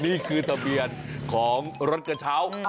นี่คือทะเบียนของรถกระเช้า